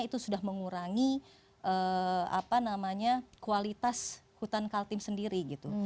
itu sudah mengurangi kualitas hutan kaltim sendiri gitu